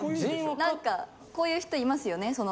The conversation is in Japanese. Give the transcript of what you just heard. なんかこういう人いますよね。